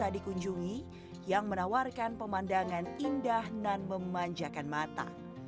dan memanjakan mata